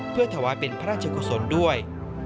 เพื่อถวายเป็นพระราชกุศลด้วย